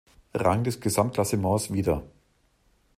Rang des Gesamtklassements wieder.